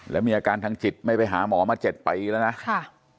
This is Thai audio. แล้วมีอาการทางจิตไม่ไปหาหมอมา๗ปีแล้วนะค่ะ